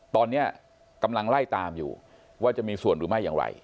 ตอนนี้กำลังไล่ตามอยู่ว่าจะมีส่วนหรือไม่อย่างไร